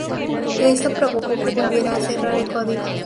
Esto provocó que volviera a cerrar el código.